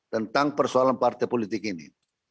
tentang persoalan partai politik ini